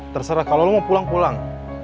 terserah kalo lu mau pulang pulang